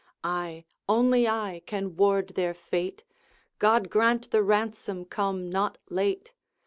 I, only I, can ward their fate, God grant the ransom come not late!